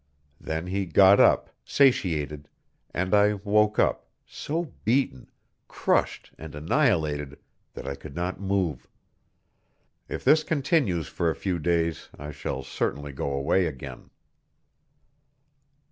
Then he got up, satiated, and I woke up, so beaten, crushed and annihilated that I could not move. If this continues for a few days, I shall certainly go away again.